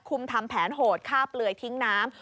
ทำแผนโหดฆ่าเปลือยทิ้งน้ำ